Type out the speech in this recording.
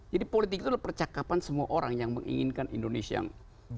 jadi politik itu adalah percakapan semua orang yang menginginkan indonesia yang